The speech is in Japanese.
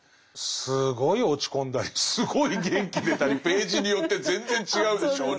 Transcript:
すごい落ち込んだりすごい元気出たりページによって全然違うでしょうね。